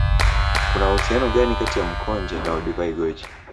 Kuna uhusiano gani kati ya mkonge na Olduvai Gorge